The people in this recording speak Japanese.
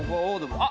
あっ！